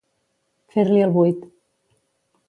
Fer-li el buit.